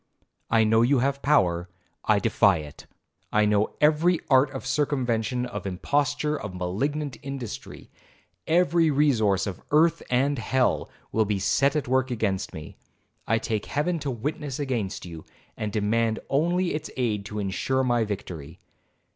I know you have power,—I defy it. I know every art of circumvention, of imposture, of malignant industry,—every resource of earth and hell, will be set at work against me. I take Heaven to witness against you, and demand only its aid to insure my victory.'